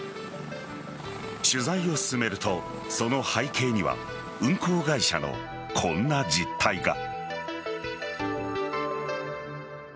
取材を進めると、その背景には運航会社のこんな実態が。